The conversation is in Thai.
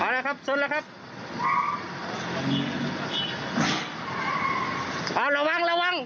ระวังระวัง